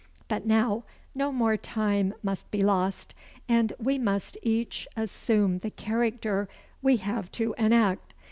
But now, no more time must be lost, and we must each assume the character we have to enact.